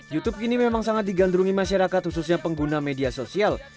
youtube kini memang sangat digandrungi masyarakat khususnya pengguna media sosial